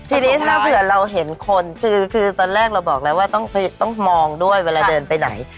ทีนี้ถ้าเผื่อเราเห็นคนคือตอนแรกเราบอกแล้วว่าต้องมองด้วยเวลาเดินไปไหน